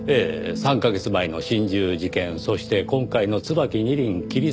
３カ月前の心中事件そして今回の『椿二輪』切り裂き事件